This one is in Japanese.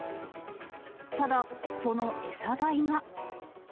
ただ、その餌代が。